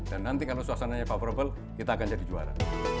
dan nanti kalau suasananya favorable kita akan jadi juara